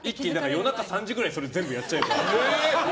夜中３時ぐらいに全部やっちゃえば。